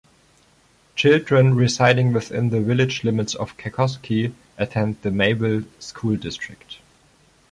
Children residing within the village limits of Kekoskee attend the Mayville School District.